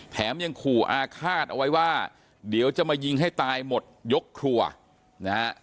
แถมยังขู่อาฆาตเอาไว้ว่าเดี๋ยวจะมายิงให้ตายหมดยกครัวนะฮะ